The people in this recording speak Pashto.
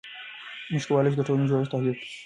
موږ کولای شو د ټولنې جوړښت تحلیل کړو.